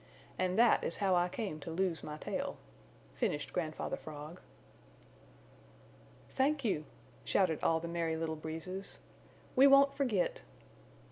And that is how I came to lose my tail," finished Grandfather Frog. "Thank you," shouted all the Merry Little Breezes. "We won't forget."